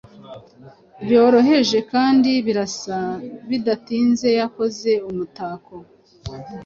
Byoroheje kandi birasa bidatinze yakoze umutako